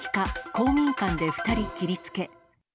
公民館で２人切りつけ。